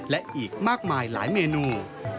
และอีกมากมายหลายเมนู